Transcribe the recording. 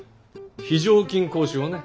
非常勤講師をね。